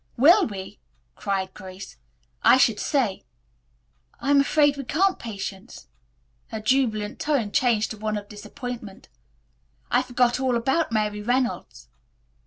"Will we?" cried Grace. "I should say I'm afraid we can't, Patience." Her jubilant tone changed to one of disappointment. "I forgot all about Mary Reynolds."